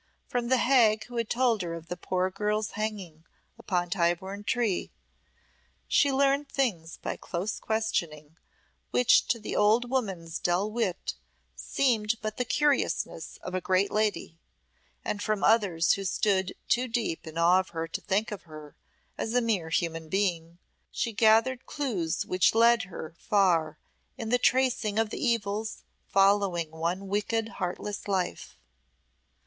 From the hag who had told her of the poor girl's hanging upon Tyburn Tree, she learned things by close questioning, which to the old woman's dull wit seemed but the curiousness of a great lady, and from others who stood too deep in awe of her to think of her as a mere human being, she gathered clues which led her far in the tracing of the evils following one wicked, heartless life.